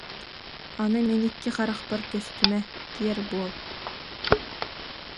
Аны мин икки харахпар көстүмэ, киэр буол